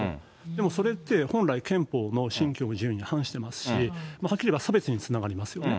でもそれって、本来、憲法の信教の自由に反してますし、はっきり言えば差別につながりますよね。